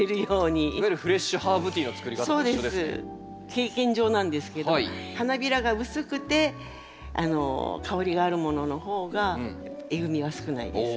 経験上なんですけど花びらが薄くて香りがあるものの方がえぐみは少ないです。